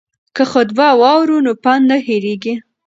که خطبه واورو نو پند نه هیریږي.